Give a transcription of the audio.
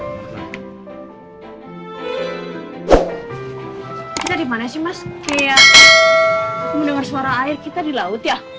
aku mendengar suara air kita di laut ya